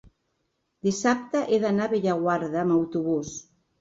dissabte he d'anar a Bellaguarda amb autobús.